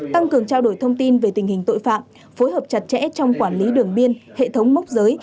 tăng cường trao đổi thông tin về tình hình tội phạm phối hợp chặt chẽ trong quản lý đường biên hệ thống mốc giới